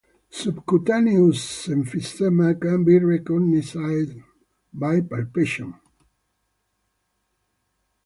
Subcutaneous emphysema can be recognized by palpation.